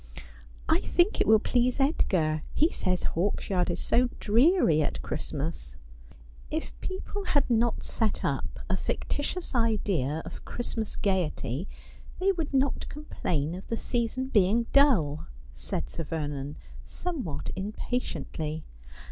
'I think it will please Edgar. He says Hawksyard is so dreary at Christmas.' ' If people had not set up a fictitious idea of Christmas gaiety, they would not complain of the season being dull,' said Sir Vernon somewhat impatiently.